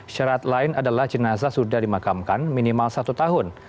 syarat lain adalah jenazah sudah dimakamkan minimal satu tahun